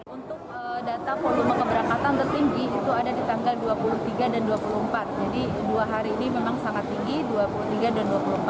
untuk data volume keberangkatan tertinggi itu ada di tanggal dua puluh tiga dan dua puluh empat jadi dua hari ini memang sangat tinggi dua puluh tiga dan dua puluh empat